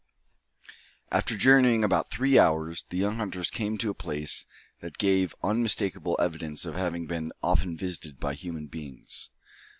After journeying about three hours, the young hunters came to a place that gave unmistakable evidence of having been often visited by human beings.